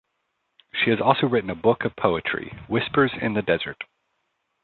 She has also written a book of poetry, "Whispers in the Desert".